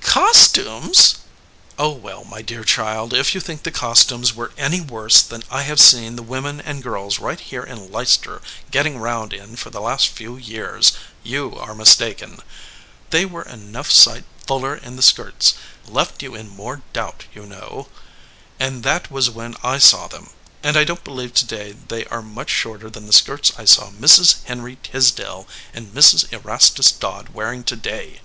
; "Costumes!" "Oh, well, my dear child, if you think the cos tumes were any worse than I have seen the women and girls right here in Leicester getting round in for the last few years, you are mistaken. They 166 THE LIAR were enough sight fuller in the skirts left you in more doubt, you know and that was when I saw them; and I don t believe to day they are much shorter than the skirts I saw Mrs. Henry Tisdale and Mrs. Erastus Dodd wearing to day.